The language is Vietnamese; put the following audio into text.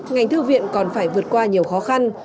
ngành thư viện còn phải vượt qua nhiều khó khăn